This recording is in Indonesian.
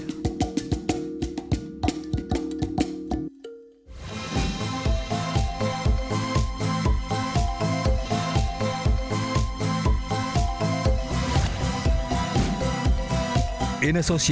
sampai jumpa di video selanjutnya